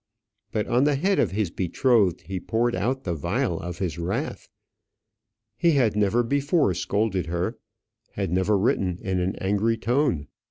But on the head of his betrothed he poured out the vial of his wrath. He had never before scolded her, had never written in an angry tone.